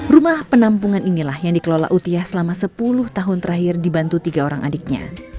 rumah penampungan inilah yang dikelola utiah selama sepuluh tahun terakhir dibantu tiga orang adiknya